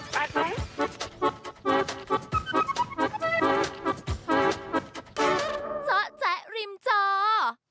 เจ้าแจ๊กริมเจ้า